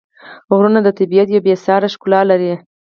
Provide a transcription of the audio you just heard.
غرونه د طبیعت یوه بېساري ښکلا لري.